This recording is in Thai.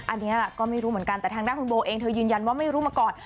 อันนี้ก็ไม่รู้เหมือนกันแต่ทางด้านคุณโบเองเธอยืนยันว่าไม่รู้มาก่อน